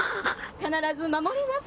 必ず守ります。